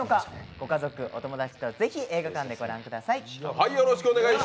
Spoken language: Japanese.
ご家族、お友達とぜひ映画館でご覧ください。